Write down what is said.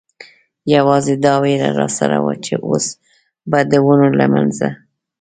یوازې دا وېره را سره وه، چې اوس به د ونو له منځه.